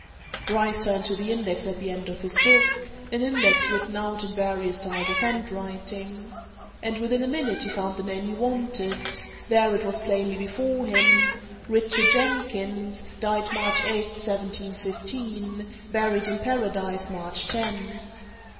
Bryce turned to the index at the end of his book an index written out in various styles of handwriting. And within a minute he found the name he wanted there it was plainly before him Richard Jenkins, died March 8th, 1715: buried, in Paradise, March 10th.